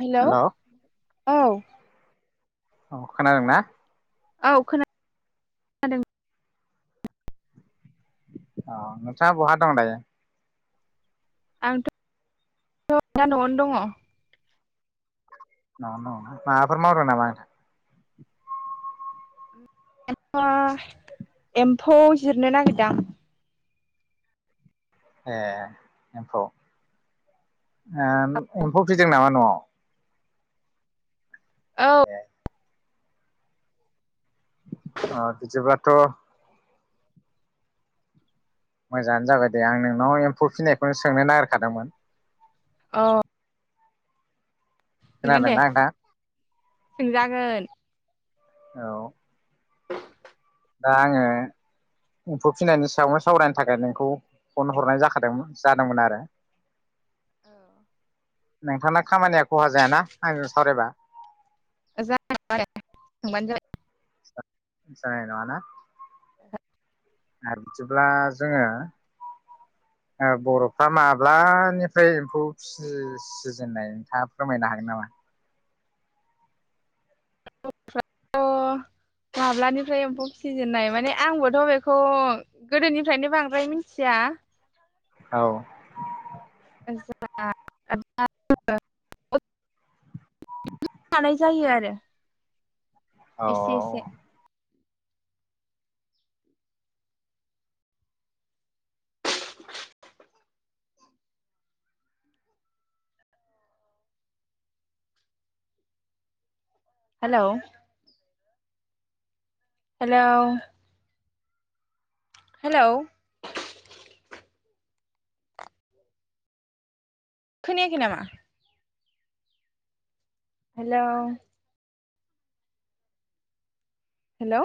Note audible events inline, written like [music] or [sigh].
Hello हेल' औ औ औ खोनादों ना? औ खोनादों औ नोंथाङा बहा दं दायो? आंथ' [unintelligible] दा न'आवनो दङ माफार मावदों नामा? [unintelligible] एम्फौ जिरनो नागिरदां ए दा एम्फौ एम्फौ फिदों नामा न'आव औ ए [unintelligible] थ' मोजाङानो जाबाय दे आं नोंनाव एम्फौ फिसिनायखौनो सोंनो नागिरखादोंमोन? औ सोंगोन दे खोनादोंना नोंथां सोंजागोन। औ दा आङो एमफौ फिनायनि सायावनो सावरायनो थाखाय नोंखौ फन हरनाय जाखादों जादोंमोन आरो। औ नोंथांना खामानिया खहा जायाना आंजों सावरायबा जायाया सोंबानो जाबाय जानाय नङाना आरो बिदिब्ला जोङो बर'फ्रा माब्लानिफ्राय एम्फौ फिसिजेननाय नोंथा फोरमायनो हागोन नामा? [unintelligible] माब्लानिफ्राय एम्फौ फिजेननाय माने आंबोथ' बेखौ गोदोनि निफ्रायनो बांद्राय मिथिया औ [inaudible] [unintelligible] जायो आरो। औ एसे एसे हेलौ हेलौ हेलौ खोनयाखै नामा? Hello hello